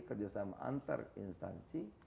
kerjasama antar instansi